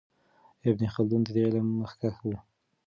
ابن خلدون د دې علم مخکښ و.